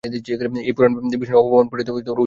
এই পুরাণ বিষ্ণুর বামন অবতারের প্রতি উৎসর্গিত।